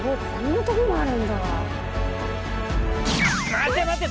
待て待て！